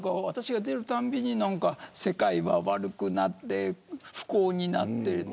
私が出るたびに世界は悪くなって不幸になって。